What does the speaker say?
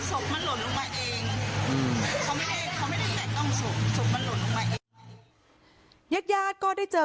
หวังโดนแล้วทำไมศูนย์เดียวเขาซอยนี้อืมเขาก็บอกว่าเขาตกใจ